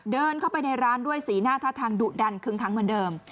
เดินเข้าไปในร้านด้วยสีหน้าท่าทางดุดันคึ้งคั้งเหมือนเดิม